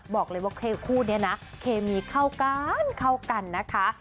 บอกเลยว่าเค้าคู่เนี้ยนะเคมีเท่ากัน